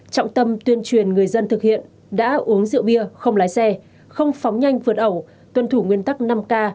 trọng tâm tuyên truyền người dân thực hiện đã uống rượu bia không lái xe không phóng nhanh vượt ẩu tuân thủ nguyên tắc năm k